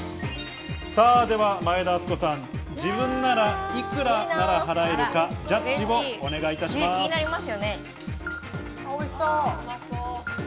では前田敦子さん、自分なら幾ら払えるかジャッジをお願いします。